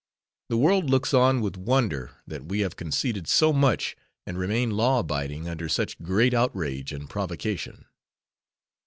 The world looks on with wonder that we have conceded so much and remain law abiding under such great outrage and provocation.